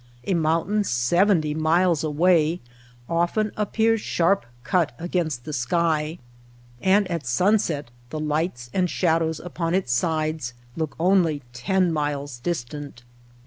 A mountain seventy miles away often appears sharp cut against the sky, and at sunset the lights and shadows upon its sides look only ten miles distant.